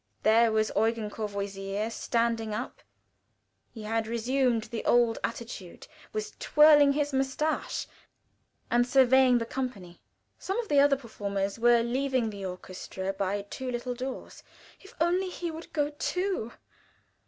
There was Eugen Courvoisier standing up he had resumed the old attitude was twirling his mustache and surveying the company. Some of the other performers were leaving the orchestra by two little doors. If only he would go too!